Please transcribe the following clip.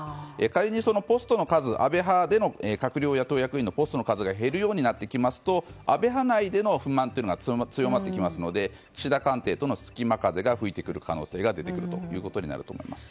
仮にポストの数安倍派での閣僚や党役員のポストの数が減るようになってきますと安倍派内での不満が強まってきますので岸田官邸との隙間風が出てくると思います。